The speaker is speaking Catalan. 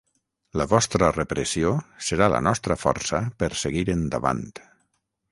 La vostra repressió serà la nostra força per seguir endavant!